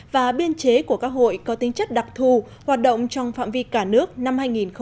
và biên chế của các hội có tính chất đặc thù hoạt động trong phạm vi cả nước năm hai nghìn hai mươi